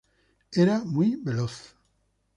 Era muy veloz.